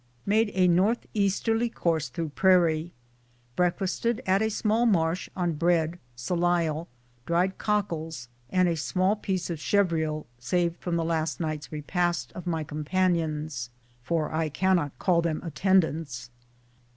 Made a northeasterly course through prairie. Break fasted at a small marsh on bread, sallal, dried cockels and a small piece of chevriel saved from the last night's repast of my companions (for I cannot call them at tendants).